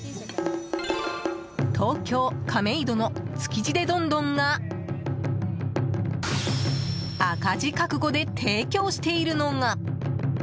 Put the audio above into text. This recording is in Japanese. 東京・亀戸のつきじｄｅ丼どんが赤字覚悟で提供しているのが。